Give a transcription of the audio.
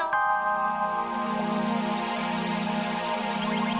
jangan lupa like subscribe dan share ya